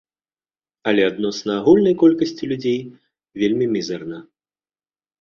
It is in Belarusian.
Але адносна агульнай колькасці людзей вельмі мізэрна.